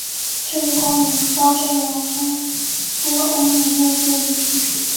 这个功能招致了众多欧美用户的批评。